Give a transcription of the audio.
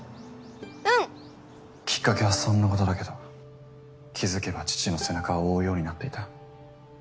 うん！きっかけはそんなことだけど気付けば父の背中を追うようになっていた。